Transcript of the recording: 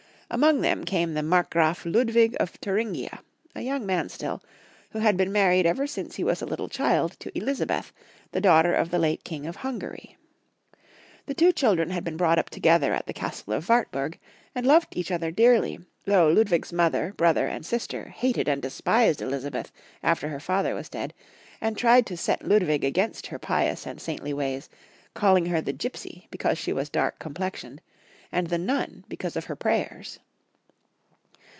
Among them came the Markgraf Ludwig of Thnringia, a yoimg man still, who had been mai ried ever sirice he was a little child to Elizabeth, the daughter of the late King of Hungary. The two children had been brought up together at the castle of the Wartburg, and loved each other dearly, though Ludwig's mother, brother and sister hated and despised Elizabeth after her father was dead, and tried to set Ludwig against her pious and "saintly ways, calling her the gipsy because she was dark complexioned, and the nun because of her prayers.